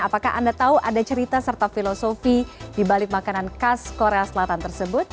apakah anda tahu ada cerita serta filosofi di balik makanan khas korea selatan tersebut